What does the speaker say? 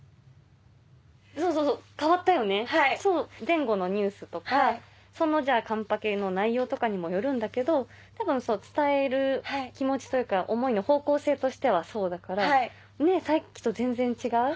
前後のニュースとかその完パケの内容とかにもよるんだけど多分伝える気持ちというか思いの方向性としてはそうだからさっきと全然違う。